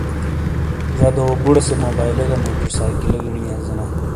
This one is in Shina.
زَدو بُوڑے سے موبائلے گہ موٹر سائکلی گنی یازینا۔